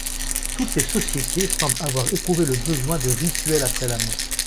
Toutes les sociétés semblent avoir éprouvé le besoin de rituels après la mort.